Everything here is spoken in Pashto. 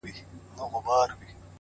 هر منزل د نوي فهم سرچینه ده.!